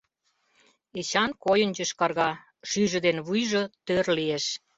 Эчан койын йошкарга, шӱйжӧ ден вуйжо тӧр лиеш.